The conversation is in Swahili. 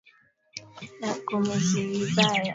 Binamu analia